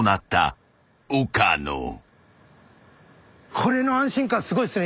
これの安心感すごいっすね